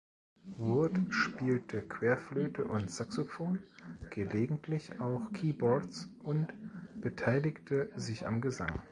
Wood spielte Querflöte und Saxophon, gelegentlich auch Keyboards, und beteiligte sich am Gesang.